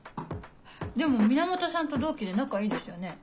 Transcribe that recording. でも源さんと同期で仲いいですよね。